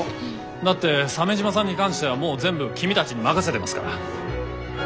だって鮫島さんに関してはもう全部君たちに任せてますから。